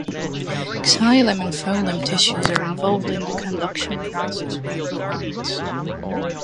Xylem and phloem tissues are involved in the conduction processes within plants.